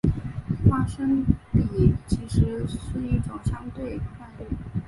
发生比其实是一种相对概率。